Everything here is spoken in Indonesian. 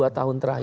dua tahun terakhir